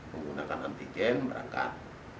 menggunakan antigen berangkat